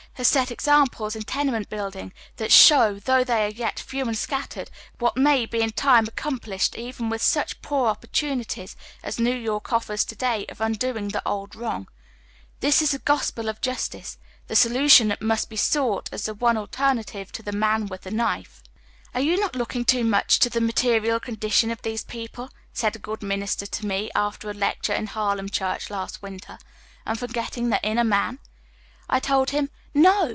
has set examples in tenement building that show, though they are yet few and scattered, what may in time be accomplished even with such poor opportu nities as New York offers to day of undoing the old wrong. This is the gospel of justice, the solution that oy Google THE MAN WITH THE KNIFE. 267 must he Bought as the one altern^itive to the man with the knife. "Are you not looking too much to the material condi tion of these people," said a good minister to me after a lecture in a Harlem chui ch last winter, " and forgetting the inner man ?" I told liim, " No